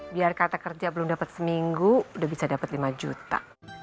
biar kata kerja belum dapat seminggu udah bisa dapat lima juta